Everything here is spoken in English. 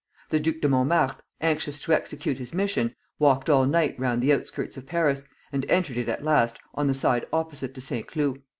The Duc de Montemart, anxious to execute his mission, walked all night round the outskirts of Paris, and entered it at last on the side opposite to Saint Cloud.